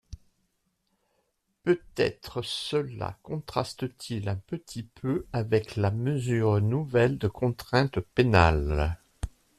Peut-être cela contraste-t-il un petit peu avec la mesure nouvelle de contrainte pénale.